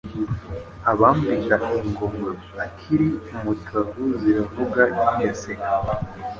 Abambika ingoma akiri umutavu Ziravuga i Gaseke